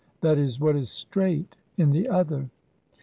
e., "what is straight", in the other.